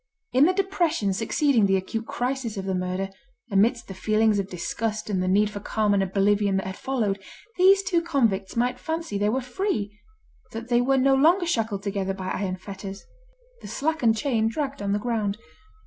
In the depression succeeding the acute crisis of the murder, amidst the feelings of disgust, and the need for calm and oblivion that had followed, these two convicts might fancy they were free, that they were no longer shackled together by iron fetters. The slackened chain dragged on the ground.